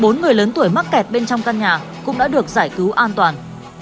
bốn người lớn tuổi mắc kẹt bên trong căn nhà cũng đã được giải cứu an toàn